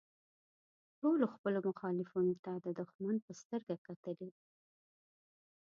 ټولو خپلو مخالفینو ته د دوښمن په سترګه کتلي.